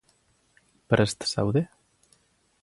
Prest zaude?